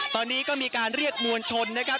ตอนนี้ก็มีการเรียกมวลชนนะครับ